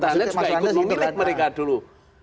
anda juga ikut memilih mereka dulu